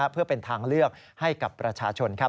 เพื่อเป็นทางเลือกให้กับประชาชน